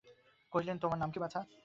কহিলেন, তোমার নাম কী বাছা?